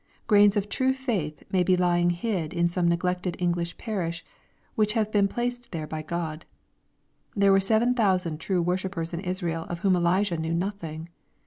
Grains of true faith may be lying hid in some neglected English parish, which have been placed there by God. There were seven thousand true worshippers in Israel of whom Elijah knew nothing.